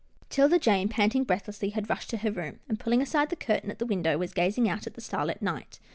'Tilda Jane, panting breathlessly, had rushed to her room, and, pulling aside the curtain at the window, was gazing out at the starlit night.